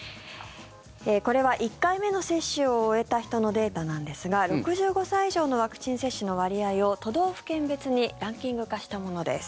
これは１回目の接種を終えた人のデータなんですが６５歳以上のワクチン接種の割合を都道府県別にランキング化したものです。